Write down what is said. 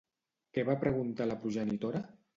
Què va preguntar la progenitora?